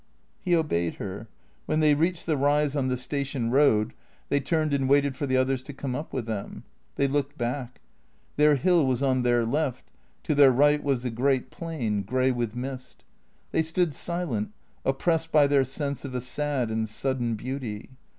He obeyed her. When they reached the rise on the station 230 THE CEEA TOES road they turned and waited for the others to come up with them. They looked back. Their hill was on their left, to their right was the great plain, grey with mist. They stood silent, oppressed by their sense of a sad and sudden beauty.